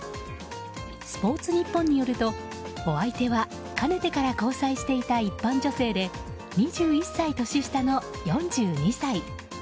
スポーツニッポンによるとお相手はかねてから交際していた一般女性で２１歳年下の４２歳。